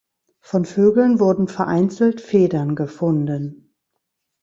Von Vögeln wurden vereinzelt Federn gefunden.